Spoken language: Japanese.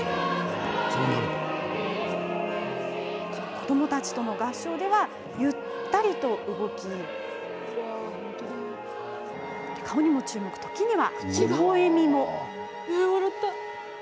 子どもたちとの合唱ではゆったりと動き時には、ほほえみも。